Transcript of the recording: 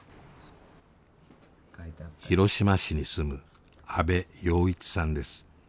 広島市に住む安部暢一さんです。